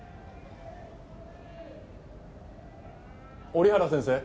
折原先生。